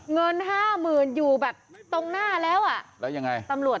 เงิน๕๐๐๐๐อยู่แบบตรงหน้าแล้ว